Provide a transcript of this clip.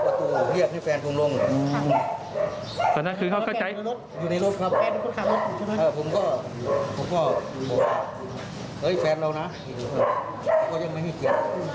ประตูแต่แล้วเป็นแบบสักที